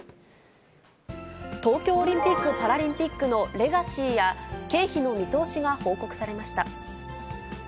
東京オリンピック・パラリンピックのレガシーや、経費の見通しが報告されました。